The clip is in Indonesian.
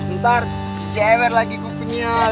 ntar jeber lagi gue punya sama guru